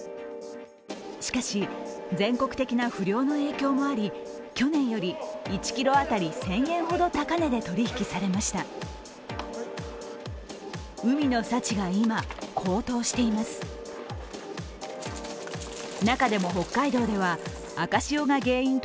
しかし、全国的な不漁の影響もあり去年より１ｋｇ当たり１０００円ほど高値で取り引きされていました。